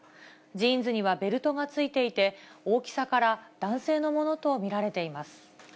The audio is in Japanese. ジーンズにはベルトがついていて、大きさから男性のものと見られています。